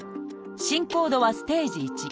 進行度はステージ１。